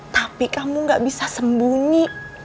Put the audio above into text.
tapi kamu gak bisa sembunyi